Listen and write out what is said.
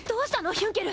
ヒュンケル。